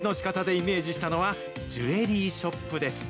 そして、展示のしかたでイメージしたのは、ジュエリーショップです。